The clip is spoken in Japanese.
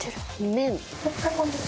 麺。